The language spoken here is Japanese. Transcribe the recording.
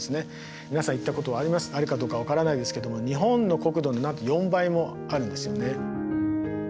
皆さん行ったことがあるかどうか分からないですけども日本の国土のなんと４倍もあるんですよね。